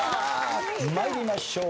参りましょう。